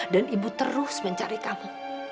dan ibu terus mencari kamu